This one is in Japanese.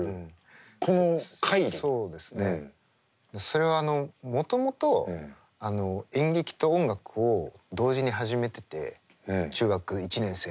それはもともと演劇と音楽を同時に始めてて中学１年生の時から。